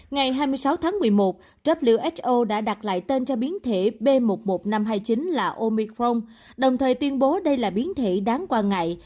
ngày hai mươi sáu tháng một mươi một who đã đặt lại tên cho biến thể b một một năm trăm hai mươi chín là omicron đồng thời tuyên bố đây là biến thể đáng quan ngại